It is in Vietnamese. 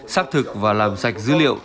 xác thực và làm sạch dữ liệu